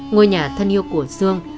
ngôi nhà thân yêu của dương